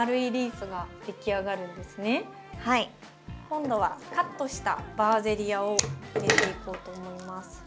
今度はカットしたバーゼリアを入れていこうと思います。